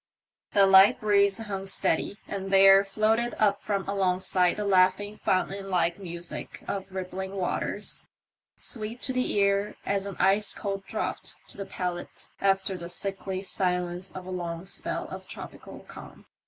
The light breeze hung steady, and there floated up from alongside the laughing fountainlike music of rippling waters, sweet to the ear as an ice cold draught to the palate after the sickly silence of a long spell of tropical calm.